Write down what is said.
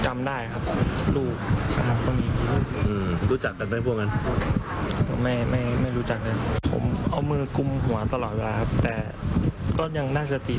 ไม่ได้สรุปหรืออะไร